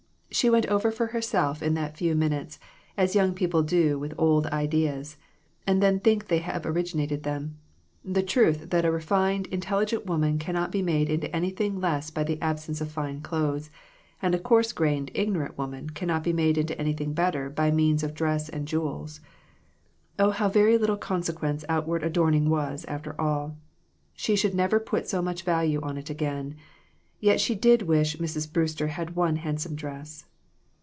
She went over for herself in that few minutes as young people do with old ideas, and then think they have originated them the truth that a refined, intelligent woman cannot be made into anything less by the absence of fine clothes, and a coarse grained, ignorant woman cannot be made into anything better by means of dress and jewels. Of how very little consequence outward adorning was, after all ! She should never put so much value on it again, and yet she did wish Mrs. Brewster had one handsome dress.